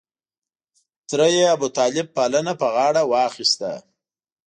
تره یې ابوطالب پالنه په غاړه واخسته.